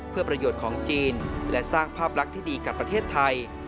เพื่อประโยชน์ของจีนและสร้างภาพลักษณ์ที่ดีกับประเทศไทย